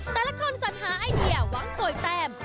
แต่ละคนสัดหาไอเดียว้างโตยแปม